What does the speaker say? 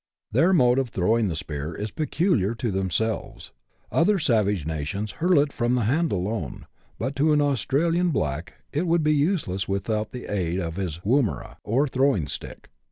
Their mode of throwing the spear is peculiar to themselves ; other savage nations hurl it from the hand alone, but to an Aus tralian black it would be useless without the aid of his " woomera," or throwing stick.